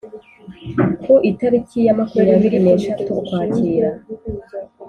ku itariki ya makumyabiri neshatu ukwakira